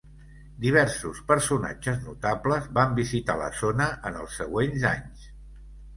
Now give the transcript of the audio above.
Diversos personatges notables van visitar la zona en els següents anys.